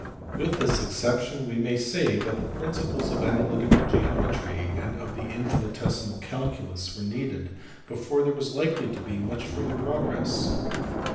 With this exception we may say that the principles of analytical geometry and of the infinitesimal calculus were needed before there was likely to be much further progress.